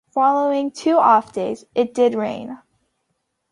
Following two off days, it did rain.